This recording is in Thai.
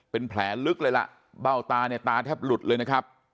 เป็นแผลลึกเลยล่ะเบ้าตาเนี่ยตาแทบหลุดเลยนะครับ